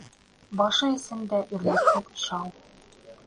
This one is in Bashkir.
Башы эсендә өҙлөкһөҙ шау.